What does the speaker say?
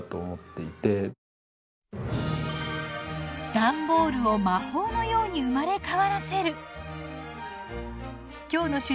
段ボールを魔法のように生まれ変わらせる。